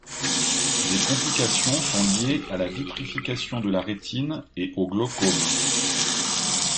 Des complications sont liées à la vitrification de la rétine, et au glaucome.